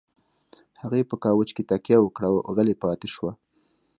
هغې په کاوچ کې تکيه وکړه او غلې پاتې شوه.